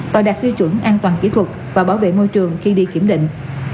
và đạt tiêu chuẩn an toàn kỹ thuật và bảo vệ môi trường khi đi kiểm định